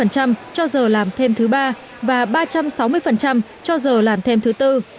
ba trăm ba mươi cho giờ làm thêm thứ ba và ba trăm sáu mươi cho giờ làm thêm thứ bốn